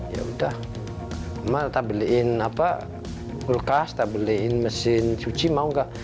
ya udah mak beliin kulkas beliin mesin cuci mau gak